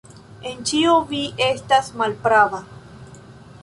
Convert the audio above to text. En ĉio vi estas malprava.